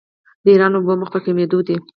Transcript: د ایران اوبه مخ په کمیدو دي.